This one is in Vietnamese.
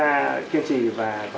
kiên trì và có thể tham vấn cho